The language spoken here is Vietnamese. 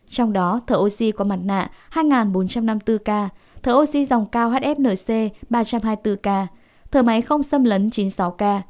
trong đó thở oxy qua mặt nạ hai bốn trăm năm mươi bốn ca thở oxy dòng cao hfnc ba trăm hai mươi bốn ca thở máy không xâm lấn chín mươi sáu k